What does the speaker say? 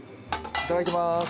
いただきます。